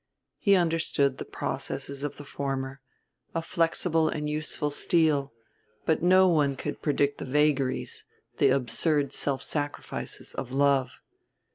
He understood the processes of the former, a flexible and useful steel; but no one could predict the vagaries, the absurd self sacrifices, of love.